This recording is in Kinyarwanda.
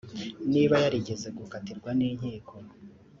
niba yarigeze gukatirwa n’inkiko